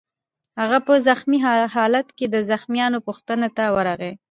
هغه په زخمي خالت کې د زخمیانو پوښتنې ته ورغی